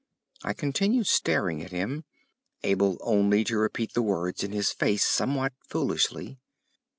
I continued staring at him, able only to repeat the words in his face somewhat foolishly.